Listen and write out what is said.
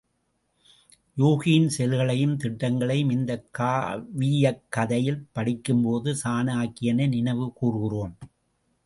யூகியின் செயல்களையும் திட்டங்களையும், இந்தக் காவியக்கதையில் படிக்கும்போது சாணக்கியனை நினைவு கூர்கிறோம்.